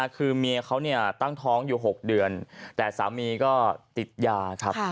คือเมียเขาตั้งท้องอยู่๖เดือนแต่สามีก็ติดยาครับ